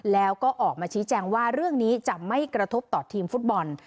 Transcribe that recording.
แล้วก็ออกมาชี้แจงว่าเรื่องนี้จะไม่กระทบต่อทีมฟุตบอล